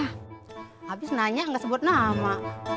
habis nanya nggak sebut nama